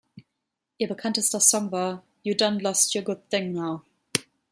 Ihr bekanntester Song war „You Done Lost Your Good Thing Now“.